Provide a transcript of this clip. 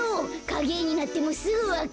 かげえになってもすぐわかる。